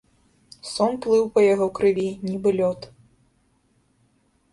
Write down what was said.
Сон плыў па яго крыві, нібы лёд.